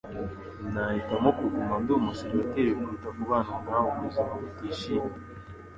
Nahitamo kuguma ndi umuseribateri kuruta kubana na we ubuzima butishimye